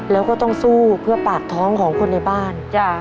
แล้วก็ต้องสู้เพื่อปากท้องของคนในบ้าน